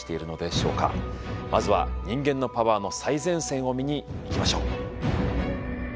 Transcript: まずは人間のパワーの最前線を見に行きましょう。